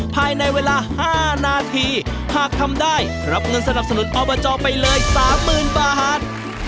ภายในเวลาห้านาทีหากทำได้รับเงินสนับสนุนอ้อบาโจป์ไปเลยสามหมื่นบาท